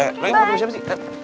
eh re mau ketemu siapa sih